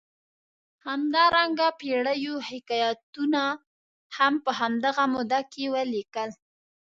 همدارنګه پېړیو حکایتونه هم په همدغه موده کې ولیکل.